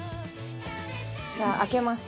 じゃあ開けます。